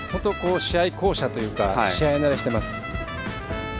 試合巧者というか試合慣れしてます。